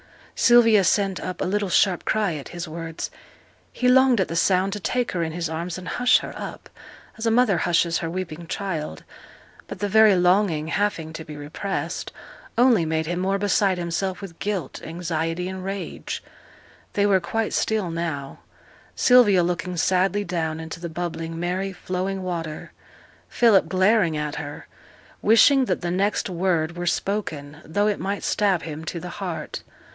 Sylvia sent up a little sharp cry at his words. He longed at the sound to take her in his arms and hush her up, as a mother hushes her weeping child. But the very longing, having to be repressed, only made him more beside himself with guilt, anxiety, and rage. They were quite still now. Sylvia looking sadly down into the bubbling, merry, flowing water: Philip glaring at her, wishing that the next word were spoken, though it might stab him to the heart.